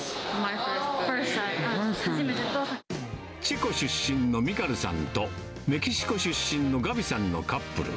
チェコ出身のミカルさんと、メキシコ出身のガビさんのカップル。